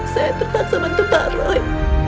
saya terpaksa bantu pak roy